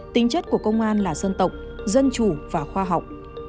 tính chất của công an là dân tộc dân chủ và khoa học